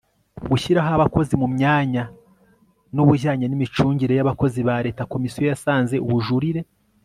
gushyira abakozi mu myanya n ubujyanye n imicungire y abakozi ba Leta Komisiyo yasanze ubujurire